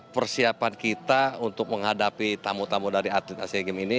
persiapan kita untuk menghadapi tamu tamu dari atlet asia games ini